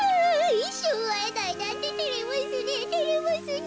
いっしょうあえないなんててれますねえてれますねえ。